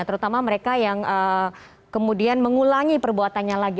terutama mereka yang kemudian mengulangi perbuatannya lagi